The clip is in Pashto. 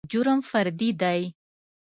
جرم فردي دى.